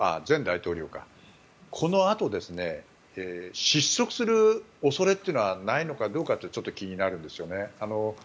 このあと失速する恐れというのはないのかどうかってちょっと気になるんですよね。